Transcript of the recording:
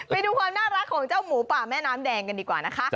ไปดูความน่ารักของเจ้าหมูป่าแม่น้ำแดงกันดีกว่านะคะ